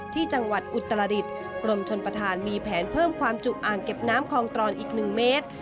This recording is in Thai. ที่จังหวัดอุตรดิษฐ์กรมชนประธานมีแผนเพิ่มความจุอ่างเก็บน้ำคลองตรอนอีก๑เมตร